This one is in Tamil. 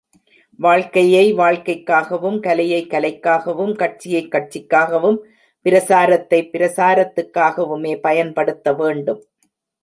வாழ்க்கையை வாழ்க்கைக்காகவும், கலையை கலைக்காகவும், கட்சியை கட்சிக்காகவும், பிரசாரத்தை பிரசாரத்துக்காகவுமே பயன்படுத்தவேண்டும்.